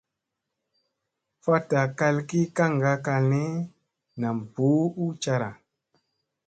Fatta kal ki kaŋga kal ni, nam buu ucara.